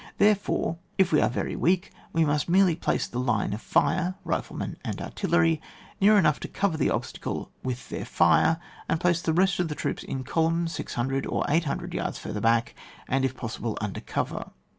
Therefore, if we are very weak, we must merely place the line of fire (riflemen and artillery) near enough to cover the ob stacle with their fire, and place the rest of the troops in columns 600 or 800 yards further back, and if possible under cover.